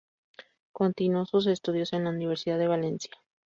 Continuó sus estudios en la Universidad de Valencia.